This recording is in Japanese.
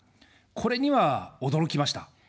これには驚きました。